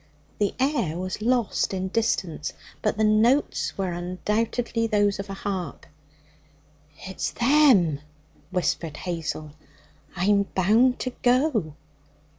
The air was lost in distance, but the notes were undoubtedly those of a harp. 'It's them!' whispered Hazel. 'I'm bound to go.'